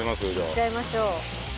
いっちゃいましょう。